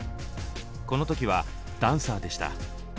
この時はダンサーでした。